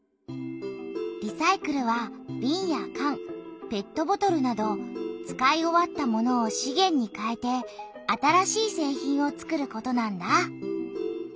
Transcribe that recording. リサイクルはびんやかんペットボトルなど使い終わったものを「資源」にかえて新しい製品を作ることなんだ。